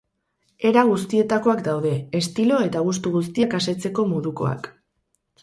Era guztietakoak daude, estilo eta gustu guztiak asetzeko modukoak.